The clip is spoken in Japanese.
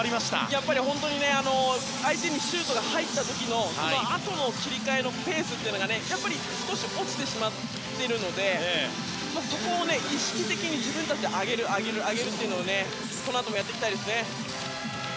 やっぱり相手のシュートが入った時のそのあとの切り替えのペースがやっぱり少し落ちてしまっているのでそこを意識的に自分たちで上げる、上げるというのをこのあともやっていきたいですね。